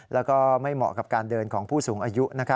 แล้วก็ไม่เหมาะกับการเดินของผู้สูงอายุ